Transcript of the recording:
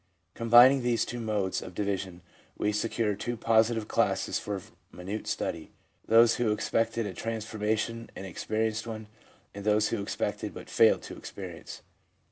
... Combining these two modes of division, we secure two positive classes for minute study — those who expected a transformation and experienced one, and those who expected but failed to experience.